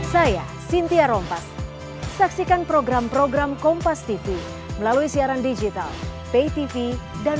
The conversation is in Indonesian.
saya cynthia rompas saksikan program program kompas tv melalui siaran digital pay tv dan